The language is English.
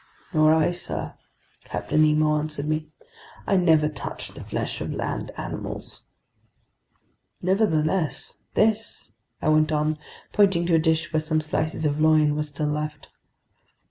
"Nor I, sir," Captain Nemo answered me. "I never touch the flesh of land animals." "Nevertheless, this ...," I went on, pointing to a dish where some slices of loin were still left.